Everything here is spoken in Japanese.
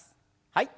はい。